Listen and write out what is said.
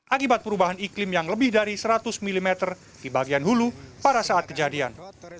akibat perubahan iklim yang lebih dari seratus mm di bagian hulu pada saat kejadian